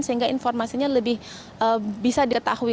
sehingga informasinya lebih bisa diketahui